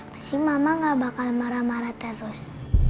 pasti mama gak bakal marah marah terus